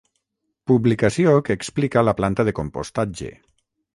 Publicació que explica la planta de compostatge.